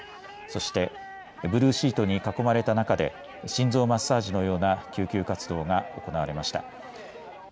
そしてブルーシートに囲まれた中で心臓マッサージのような救急活動が行われました。